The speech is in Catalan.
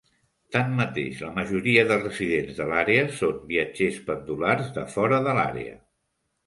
Tanmateix, la majoria de residents de l'àrea són viatgers pendulars de fora de l'àrea.